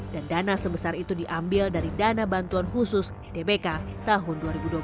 dan dana sebesar itu diambil dari dana bantuan khusus dbk tahun dua ribu dua puluh